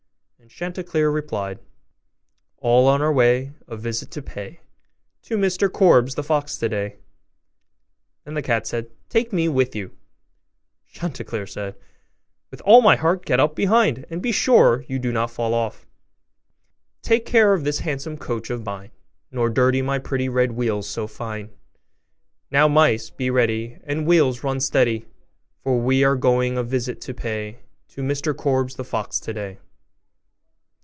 And Chanticleer replied, 'All on our way A visit to pay To Mr Korbes, the fox, today.' Then the cat said, 'Take me with you,' Chanticleer said, 'With all my heart: get up behind, and be sure you do not fall off.' 'Take care of this handsome coach of mine, Nor dirty my pretty red wheels so fine! Now, mice, be ready, And, wheels, run steady! For we are going a visit to pay To Mr Korbes, the fox, today.